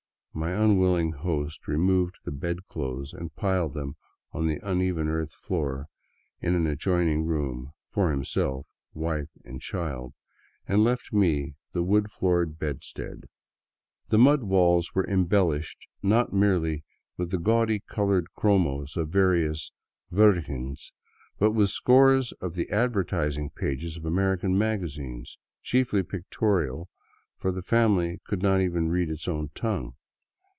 My unwilling host removed the bedclothes and piled them on the uneven earth floor in an ad joining room, for himself, wife and child, and left me the wooden floored bedstead. The mud walls were embellished not merely with the gaudy colored chromos of various " Virgins," but with scores of the advertising pages of American magazines, chiefly pictorial, for the family could not even read its own tongue.